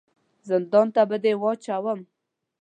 زندان ته به دي واچوم !